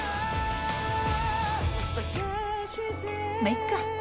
まあいっか。